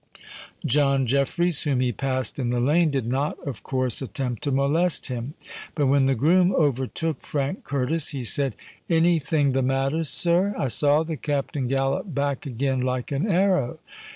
John Jeffreys, whom he passed in the lane, did not of course attempt to molest him. But when the groom overtook Frank Curtis, he said, "Any thing the matter, sir? I saw the Captain gallop back again like an arrow."